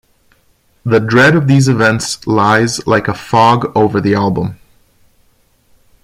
The dread of these events lies like a fog over the album.